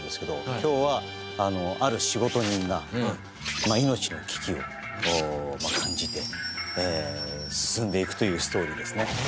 今日はある仕事人が命の危機を感じて進んでいくというストーリーですね。